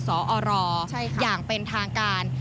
สอรอย่างเป็นทางการ